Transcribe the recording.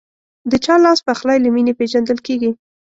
د چا لاسپخلی له مینې پیژندل کېږي.